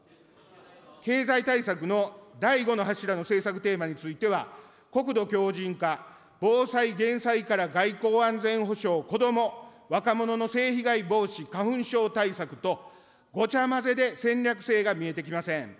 経済対策の第５の柱の政策テーマについては、国土強じん化、防災・減災から外交・安全保障、こども・若者の性被害防止、花粉症対策と、ごちゃ混ぜで戦略性が見えてきません。